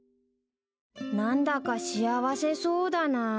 ［なんだか幸せそうだなあ］